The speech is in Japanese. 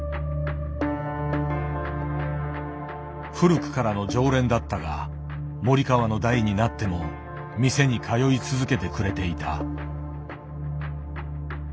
古くからの常連だったが森川の代になっても店に通い続けてくれていた。